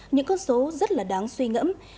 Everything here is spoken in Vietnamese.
những con số rất là đáng suy ngẫm